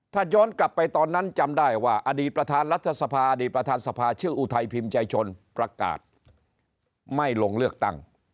ถ้าย้อนกลับไปตอนนั้นจำได้ว่าอดีตประธานรัฐสภาอดีตประธานสภาชื่ออุทัยพิมพ์ใจชนประกาศไม่ลงเลือกตั้ง